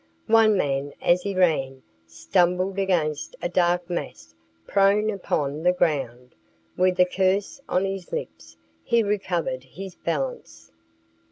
One man, as he ran, stumbled against a dark mass prone upon the ground. With a curse on his lips, he recovered his balance.